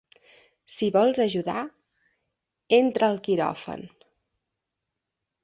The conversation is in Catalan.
Si vols ajudar, entra al quiròfan.